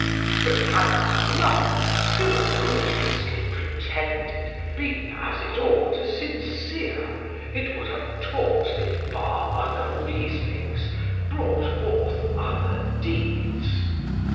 But had thy love, still odiously pretended, Bin, as it ought, sincere, it would have taught thee Far other reasonings, brought forth other deeds.